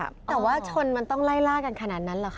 แต่ว่าชนมันต้องไล่ล่ากันขนาดนั้นเหรอคะ